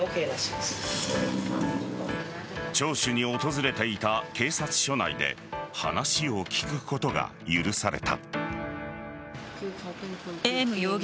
聴取に訪れていた警察署内で話を聞くことが許された。